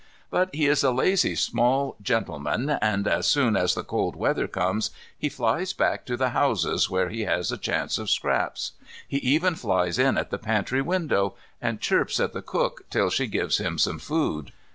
But he is a lazy small gentleman, and as soon as the cold weather comes, he flies back to the houses where he has a chance of scraps. He even flies in at the pantry window and chirps at the cook till she gives him some food.